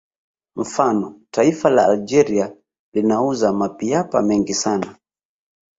Mfano taifa la Algeria linauza mapiapa mengi sana